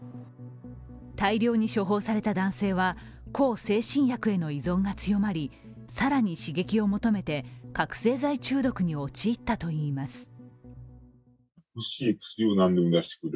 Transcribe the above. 大量に処方された男性は、向精神薬への依存が強まり更に刺激を求めて覚醒剤中毒に陥ったといいます。